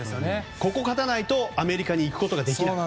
ここで勝たないとアメリカに行くことができない。